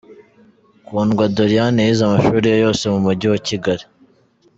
Kundwa Doriane yize amashuri ye yose mu Mujyi wa Kigali.